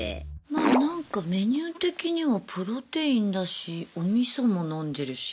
まあなんかメニュー的にはプロテインだしおみそも飲んでるし。